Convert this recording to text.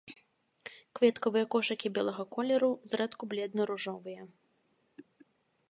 Кветкавыя кошыкі белага колеру, зрэдку бледна-ружовыя.